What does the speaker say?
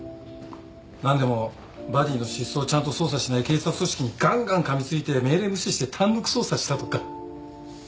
何でもバディの失踪をちゃんと捜査しない警察組織にがんがんかみついて命令無視して単独捜査したとか。